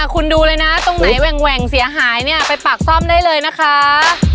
คุณดูเลยนะตรงไหนแหว่งเสียหายเนี่ยไปปากซ่อมได้เลยนะคะ